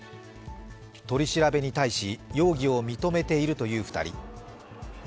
取り調べに対し容疑を認めているという２人。